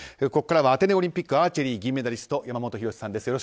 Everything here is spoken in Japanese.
ここからはアテネオリンピックアーチェリー銀メダリスト山本博さんです。